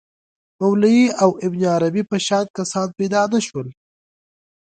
مولوی او ابن عربي په شان کسان پیدا نه شول.